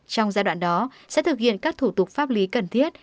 trong giai đoạn đó sẽ thực hiện các thủ tục pháp lý cần thiết